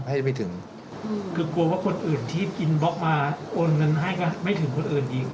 คือกลัวว่าคนอื่นที่กินบล็อคมาโอนเงินให้กับเขาไม่ถึงคนอื่นอีก